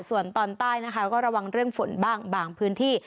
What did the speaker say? ส่วนตอนใต้นะคะก็ระวังเรื่องฝนบ้างบางพื้นที่